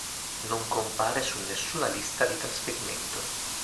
Non compare su nessuna lista di trasferimento.